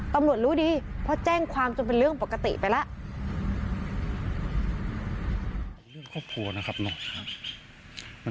ตำรวจรู้ดีเพราะแจ้งความจนเป็นเรื่องปกติไปแล้ว